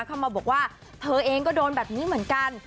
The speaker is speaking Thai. เข้ามาบอกว่าเธอเองก็โดนแบบนี้เหมือนกัน